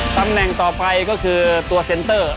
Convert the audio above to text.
ตำแหน่งต่อไปก็คือตัวเซ็นเตอร์